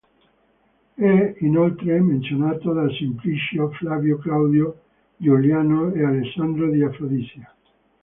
È, inoltre, menzionato da Simplicio, Flavio Claudio Giuliano e Alessandro di Afrodisia.